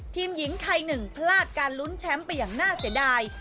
ทีมหญิงไท๑พลาดรุ้นแชมป์ไปอย่างน่าเสียดาย